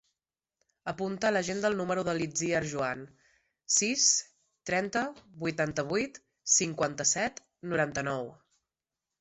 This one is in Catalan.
Apunta a l'agenda el número de l'Itziar Juan: sis, trenta, vuitanta-vuit, cinquanta-set, noranta-nou.